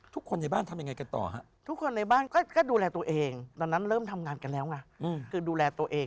ทุกคนในบ้านทำยังไงกันต่อ